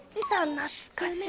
懐かしい？